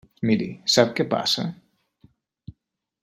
Miri, sap què passa?